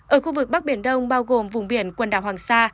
ở khu vực bắc biển đông bao gồm vùng biển quần đảo hoàng sa